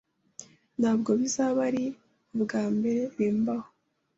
Ntabwo bizaba ari ubwambere bimbaho.